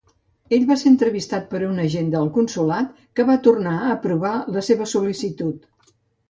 Ell va ser entrevistat per un agent del consolat, que va tornar a aprovar la seva sol·licitud.